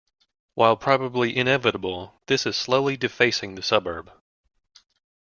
While probably inevitable, this is slowly defacing the suburb.